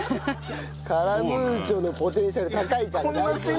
カラムーチョのポテンシャル高いから大丈夫。